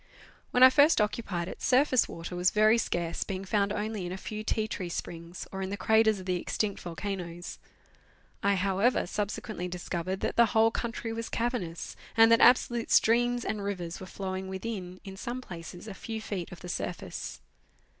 When I first occupied it, surface water was very scarce, being found only in a few tea tree springs, or in the craters of the extinct volcanoes. I, however, subsequently discovered that the whole country was cavernous, and that absolute streams and rivers were flowing within, in some places, a few feet of the surface.